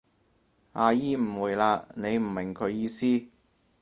阿姨誤會喇，你唔明佢意思？